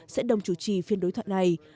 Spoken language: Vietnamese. sẽ đồng chủ trì phiên đối thoại này